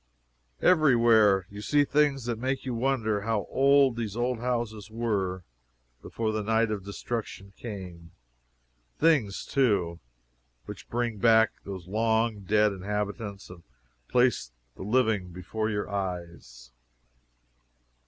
Every where, you see things that make you wonder how old these old houses were before the night of destruction came things, too, which bring back those long dead inhabitants and place the living before your eyes.